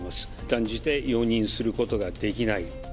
断じて容認することができない。